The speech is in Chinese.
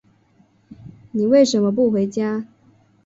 你为什么不回家？